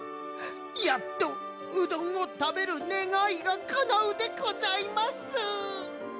やっとうどんをたべるねがいがかなうでございます！